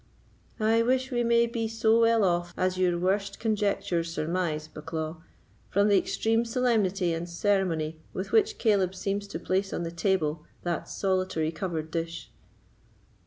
"I wish we may be so well off as your worst conjectures surmise, Bucklaw, from the extreme solemnity and ceremony with which Caleb seems to place on the table that solitary covered dish."